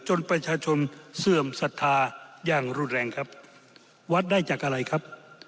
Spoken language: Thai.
จนประชาชนเสื่อมศรัทธาอย่างรุนแรงครับวัดได้จากอะไรครับ